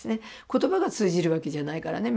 言葉が通じるわけじゃないからね。